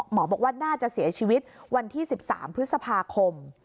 บอกว่าน่าจะเสียชีวิตวันที่๑๓พฤษภาคม